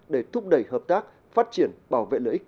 để thúc đẩy hợp tác phát triển bảo vệ lợi ích